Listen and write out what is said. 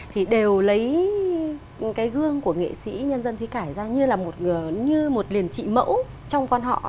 thì đều lấy cái gương của nghệ sĩ nhân dân thúy cải ra như là một như một liền trị mẫu trong quan họ